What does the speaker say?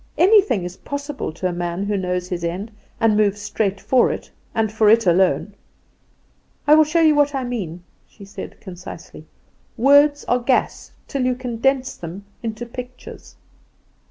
Anything is possible to a man who knows his end and moves straight for it, and for it alone. I will show you what I mean," she said, concisely; "words are gas till you condense them into pictures."